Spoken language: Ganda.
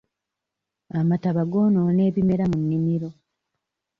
Amataba goonoona ebimera mu nnimiro.